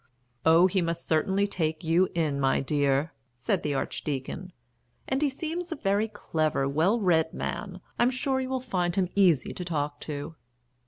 "Oh, he must certainly take you in, my dear," said the Archdeacon. "And he seems a very clever, well read man, I am sure you will find him easy to talk to."